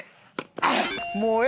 もうええ。